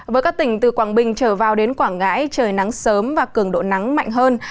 với các tỉnh từ quảng bình trở vào đến quảng ngãi trời nắng sớm và cường độ nắng mạnh hơn